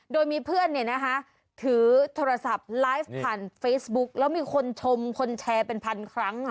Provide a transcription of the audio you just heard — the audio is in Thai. โดยมีเพื่อนถือโทรศัพท์ไลฟ์ผ่านเฟซบุ๊กแล้วมีคนชมคนแชร์เป็นพันครั้ง